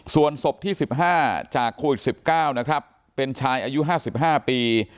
ส่วนสบที่สิบห้าจากโควิดสิบเก้านะครับเป็นชายอายุห้าสิบห้าปี